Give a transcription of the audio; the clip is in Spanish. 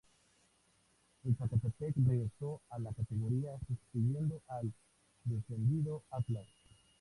El Zacatepec regresó a la categoría sustituyendo al descendido Atlas.